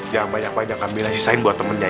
jangan banyak banyak ambilnya sisain buat temennya ya